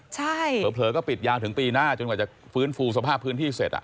ใช่เผลอก็ปิดยาวถึงปีหน้าจนกว่าจะฟื้นฟูสภาพพื้นที่เสร็จอ่ะ